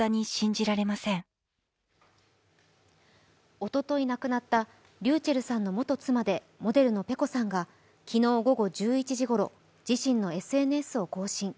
おとといなくなったｒｙｕｃｈｅｌｌさんの元妻でモデルのｐｅｃｏさんが昨日午後１１時ごろ、自身のＳＮＳを更新。